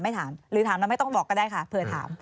ถามหรือถามแล้วไม่ต้องบอกก็ได้ค่ะเผื่อถาม